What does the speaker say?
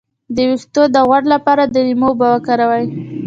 د ویښتو د غوړ لپاره د لیمو اوبه وکاروئ